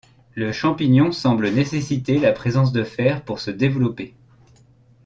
Le champignon semble nécessiter la présence de fer pour se développer.